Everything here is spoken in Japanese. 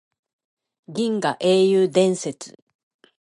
銀河英雄伝説